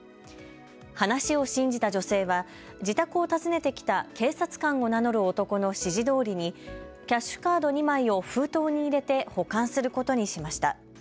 話を信じた女性は自宅を訪ねてきた警察官を名乗る男の指示どおりにキャッシュカード２枚を封筒に入れて保管することにしました。